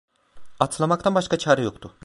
Atlamaktan başka çare yoktu…